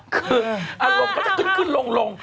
คืออารมณ์จะคุ้นลง